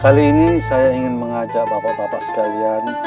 kali ini saya ingin mengajak bapak bapak sekalian